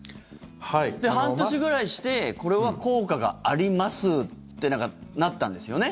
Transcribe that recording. で、半年ぐらいしてこれは効果がありますってなったんですよね。